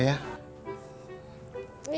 bu maafin bapak ya